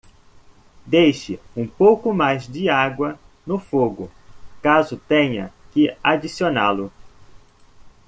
Deixe um pouco mais de água no fogo, caso tenha que adicioná-lo.